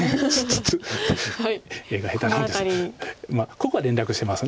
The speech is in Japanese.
ここは連絡してます。